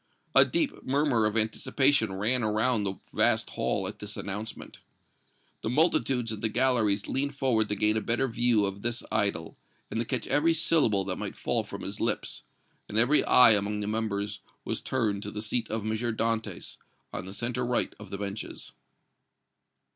A deep murmur of anticipation ran around the vast hall at this announcement. The multitudes in the galleries leaned forward to gain a better view of this idol, and to catch every syllable that might fall from his lips; and every eye among the members was turned to the seat of M. Dantès, on the centre right of the benches.